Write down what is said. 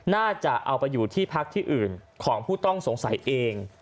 น่าจะเอาไปอยู่ที่พักที่อื่นของผู้ต้องสงสัยเอง